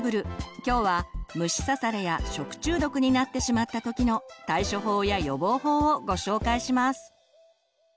今日は「虫刺され」や「食中毒」になってしまった時の対処法や予防法をご紹介します！